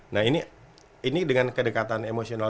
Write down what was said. nah ini dengan kedekatan emosional